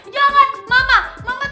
jangan mama mama tiga